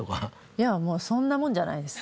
いやもうそんなもんじゃないです。